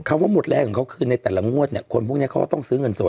ว่าหมดแรงของเขาคือในแต่ละงวดเนี่ยคนพวกนี้เขาก็ต้องซื้อเงินสด